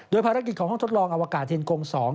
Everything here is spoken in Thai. ภารกิจของห้องทดลองอวกาศเทียนกง๒